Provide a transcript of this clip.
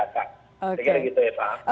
saya kira gitu ya pak